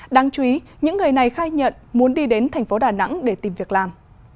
đáng chú ý những người này khai nhận muốn đi đến thành phố đà nẵng để tìm việc làm